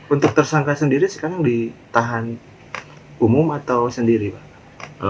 untuk tersangka sendiri sekarang ditahan umum atau sendiri pak